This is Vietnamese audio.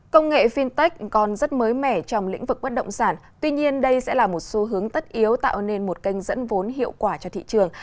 công nghệ fintech còn rất mới mẻ trong lĩnh vực bất động sản tuy nhiên đây sẽ là một xu hướng tất yếu tạo nên một kênh dẫn vốn hiệu quả cho thị trường